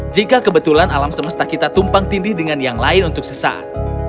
jika kebetulan alam semesta kita tumpang tindih dengan yang lain untuk sesaat